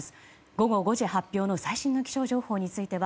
午後５時発表の最新の気象情報については